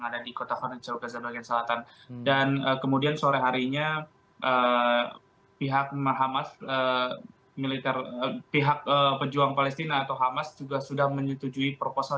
dan kemudian sore harinya pihak mahamas pihak pejuang palestina atau hamas juga sudah menyetujui proposal